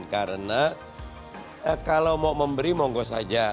karena kalau mau memberi monggo saja